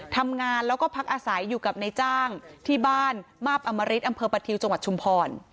ทำงานแล้วก็พักอาศัยอยู่กับนายจ้างที่บ้านมาบอมริตอำเภอประทิวจังหวัดชุมพร